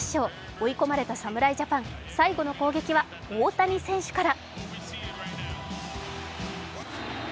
追い込まれた侍ジャパン、最後の攻撃は大谷選手から。